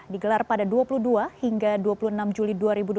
digelar pada dua puluh dua hingga dua puluh enam juli dua ribu dua puluh